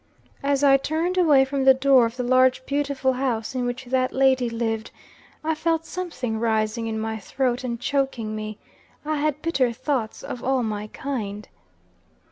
"As I turned away from the door of the large, beautiful house in which that lady lived, I felt something rising in my throat and choking me; I had bitter thoughts of all my kind.